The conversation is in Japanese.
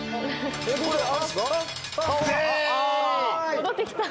戻ってきた。